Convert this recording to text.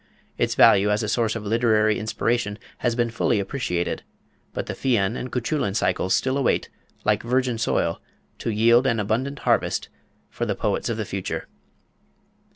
Its value as a source of literary inspiration has been fully appreciated, but the Fian and Cuchullin cycles still await, like virgin soil, to yield an abundant harvest for the poets of the future.